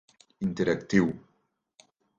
Interactiu: